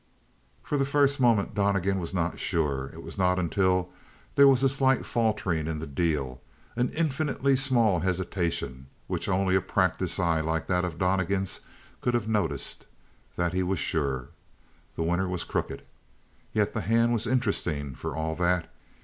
For the first moment Donnegan was not sure; it was not until there was a slight faltering in the deal an infinitely small hesitation which only a practiced eye like that of Donnegan's could have noticed that he was sure. The winner was crooked. Yet the hand was interesting for all that.